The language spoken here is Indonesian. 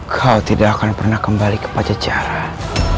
kau tidak akan pernah kembali ke pajajaran